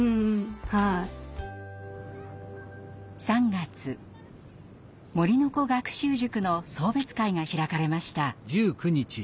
３月「森の子学習塾」の送別会が開かれました。